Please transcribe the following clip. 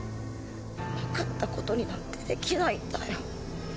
なかったことになんてできないんだよ。